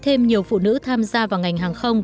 thêm nhiều phụ nữ tham gia vào ngành hàng không